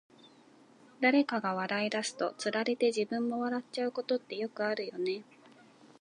誰かが笑い出すと、つられて自分も笑っちゃうことってよくあるよね。